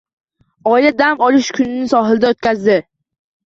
Oila dam olish kunini sohilda oʻtkazdi